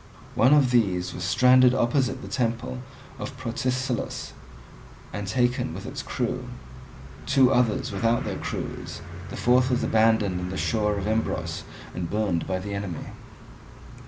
One of these was stranded opposite to the temple of Protesilaus and taken with its crew, two others without their crews; the fourth was abandoned on the shore of Imbros and burned by the enemy.